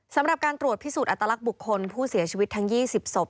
สำหรับการตรวจพิสูจน์อัตลักษณ์บุคคลผู้เสียชีวิตทั้ง๒๐ศพ